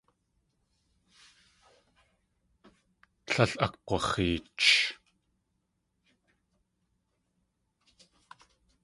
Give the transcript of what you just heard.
Tlél akg̲waxeech.